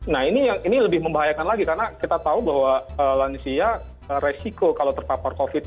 nah ini lebih membahayakan lagi karena kita tahu bahwa lansia resiko kalau terpapar covid